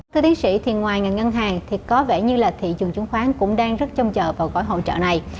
thưa tiến sĩ thì ngoài ngành ngân hàng thì có vẻ như là thị trường chứng khoán cũng đang rất trông chờ vào gói hỗ trợ này